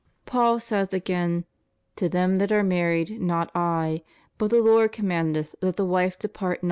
Paul says again: To them that are married, not I, but the Lord commandeth that the wife depart not * Matt.